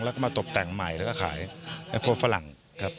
แล้วก็มาตกแต่งใหม่แล้วก็ขายไอ้พวกฝรั่งครับ